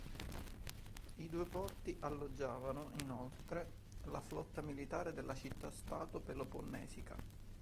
I due porti alloggiavano, inoltre, la flotta militare della città-stato peloponnesiaca.